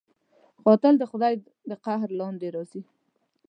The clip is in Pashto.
قاتل د خدای د قهر لاندې راځي